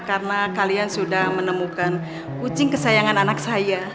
karena kalian sudah menemukan kucing kesayangan anak saya